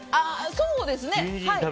そうですね。